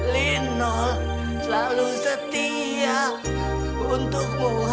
lino selalu setia untukmu